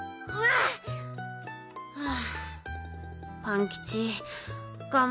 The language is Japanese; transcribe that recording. ああ。